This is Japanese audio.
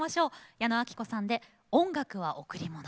矢野顕子さんで「音楽はおくりもの」。